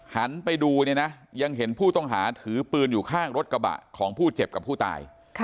หันไปดูเนี่ยนะยังเห็นผู้ต้องหาถือปืนอยู่ข้างรถกระบะของผู้เจ็บกับผู้ตาย